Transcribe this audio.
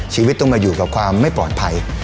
ชีวิตต้องมาอยู่กับความไม่ปลอดภัย